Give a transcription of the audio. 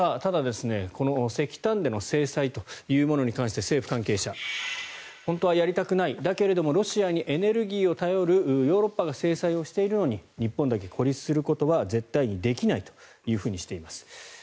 ただ、石炭での制裁というものに関して政府関係者、本当はやりたくないだけれどもロシアにエネルギーを頼るヨーロッパが制裁をしているのに日本だけ孤立することは絶対にできないとしています。